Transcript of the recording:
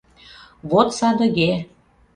Вот садыге...